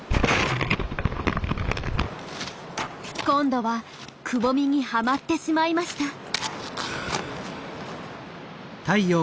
今度はくぼみにはまってしまいました。